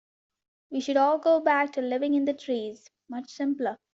We should all go back to living in the trees, much simpler.